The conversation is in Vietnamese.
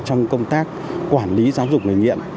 trong công tác quản lý giáo dục người nghiện